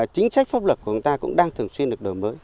chính sách pháp luật của chúng ta cũng đang thường xuyên được đổi mới